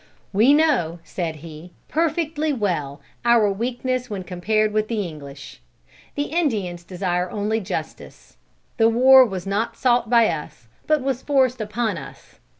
"We know," said he, "perfectly well, our weakness when compared with the English. The Indians desire only justice. The war was not sought by us, but was forced upon us.